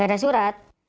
gak ada surat